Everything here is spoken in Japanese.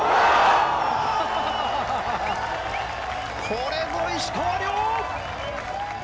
これぞ石川遼！